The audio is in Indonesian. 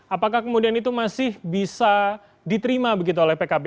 apakah kemudian itu masih bisa diterima begitu oleh pkb